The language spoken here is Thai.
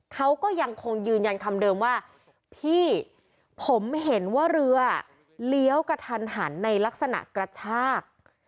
เขาก็ยังคงยืนยันคำเดิมว่าพี่ผมเห็นว่าเรือเลี้ยวกระทันหันในลักษณะกระชาก